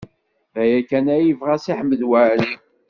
D aya kan ay yebɣa Si Ḥmed Waɛli.